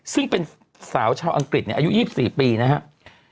ซึ่งเป็นสาวชาวอังกฤษในอายุ๒๔ปีนะครับ